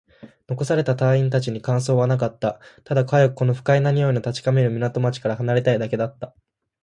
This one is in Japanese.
残された隊員達に感想はなかった。ただ、早くこの不快な臭いの立ち込める港町から離れたいだけだった。